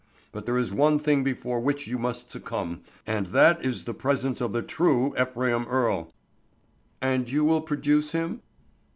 But there is one thing before which you must succumb and that is the presence of the true Ephraim Earle." "And you will produce him?"